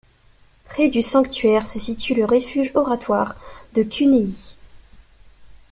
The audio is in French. Près du sanctuaire se situe le refuge-oratoire de Cunéy.